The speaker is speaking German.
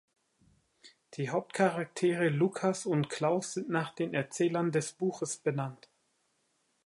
Die Hauptcharaktere Lucas und Claus sind nach den Erzählern des Buches benannt.